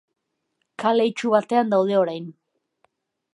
Kale itsu batean daude orain.